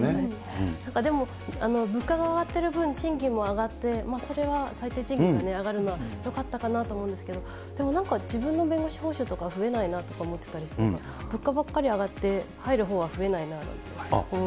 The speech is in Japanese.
なんかでも物価が上がってる分、賃金も上がって、それは最低賃金が上がるのはよかったかなと思うんですけど、でもなんか自分の弁護士報酬とかは増えないなとか思ってたりして、物価ばっかり上がって入るほうは増えないなあなんて思う。